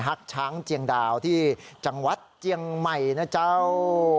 ช้างเจียงดาวที่จังหวัดเจียงใหม่นะเจ้า